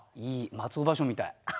松尾芭蕉みたい。